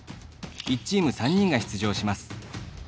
１チーム、３人が出場します。